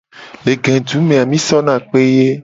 Le gedu me a mi sona kpe ye.